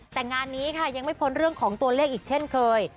แต่งานนี้ค่ะยังไม่พ้นเรื่องของตัวเลขอีกเช่นเคย